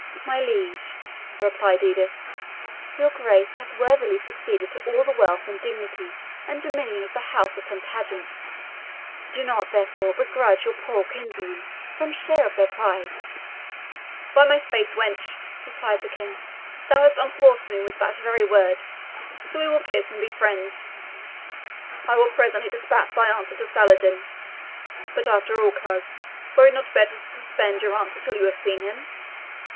"My liege," replied Edith, "your Grace hath worthily succeeded to all the wealth, dignity, and dominion of the House of Plantagenet do not, therefore, begrudge your poor kinswoman some small share of their pride." "By my faith, wench," said the King, "thou hast unhorsed me with that very word, so we will kiss and be friends. I will presently dispatch thy answer to Saladin. But after all, coz, were it not better to suspend your answer till you have seen him?